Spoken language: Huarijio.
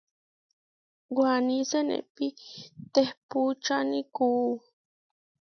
Waní senépi tehpúčani kuú.